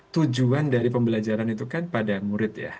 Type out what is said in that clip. tujuan dari pembelajaran itu kan pada murid ya